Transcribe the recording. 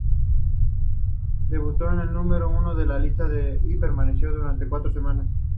Debutó en el número uno de la lista y permaneció durante cuatro semanas.